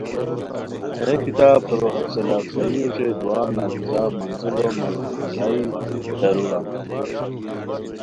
ہیہ کتاب ہورو حوصلہ افزائی اوچے دعان نتیجا منزلو مرحلائی تاروران